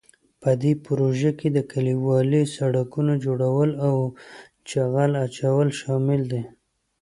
په دې پروژو کې د کلیوالي سړکونو جوړول او جغل اچول شامل دي.